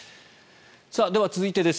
では、続いてです。